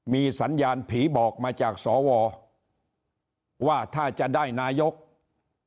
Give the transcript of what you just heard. มีสัญญาณผีบอกมาจากสอวอว่าถ้าจะได้นายกรัฐมนตรี